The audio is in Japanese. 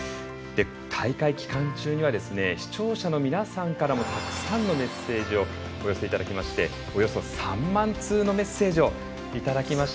大会期間中には視聴者の皆さんからもたくさんのメッセージをお寄せいただきましておよそ３万通のメッセージをいただきました。